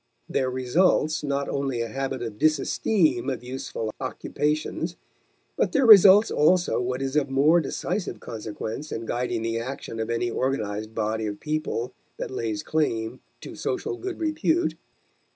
There results not only a habit of disesteem of useful occupations, but there results also what is of more decisive consequence in guiding the action of any organized body of people that lays claim to social good repute.